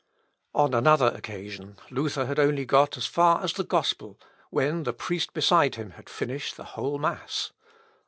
On another occasion, Luther had only got as far as the Gospel, when the priest beside him had finished the whole mass.